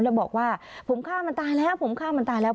แล้วบอกว่าผมฆ่ามันตายแล้วผมฆ่ามันตายแล้ว